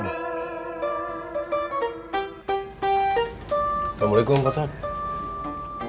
assalamualaikum pak san